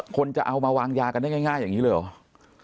คนจะเอามาวางยากันได้ง่ายอย่างนี้เลยเหรอ